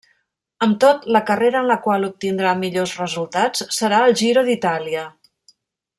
Amb tot, la carrera en la qual obtindrà millors resultats serà el Giro d'Itàlia.